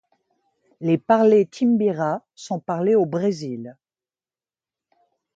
Les parlers timbira sont parlés au Brésil.